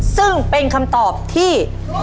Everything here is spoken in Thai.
ซึ่งเป็นคำตอบที่